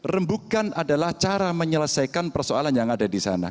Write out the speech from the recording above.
rembukan adalah cara menyelesaikan persoalan yang ada di sana